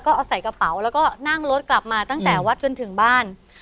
ก็เอาใส่กระเป๋าแล้วก็นั่งรถกลับมาตั้งแต่วัดจนถึงบ้าน